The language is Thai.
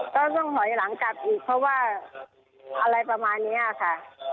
ก็ต้องถอยหลังกลับอีกเพราะว่าอะไรประมาณนี้ค่ะ